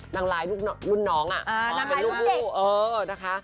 นางร้ายรุ่นเด็ก